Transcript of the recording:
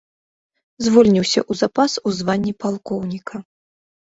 Звольніўся ў запас у званні палкоўніка.